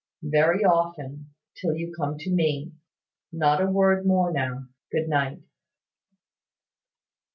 "Very often, till you come to me. Not a word more now. Good night."